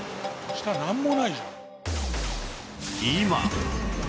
下なんもないじゃん。